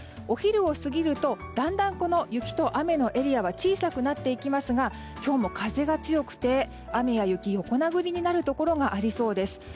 お昼を過ぎるとだんだん雪と雨のエリアは小さくなっていきますが今日も風が強くて雨や雪、横殴りになるところがありそうです。